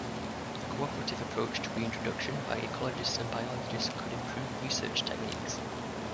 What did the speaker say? A cooperative approach to reintroduction by ecologists and biologists could improve research techniques.